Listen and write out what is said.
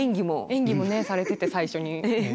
演技もされてて最初に。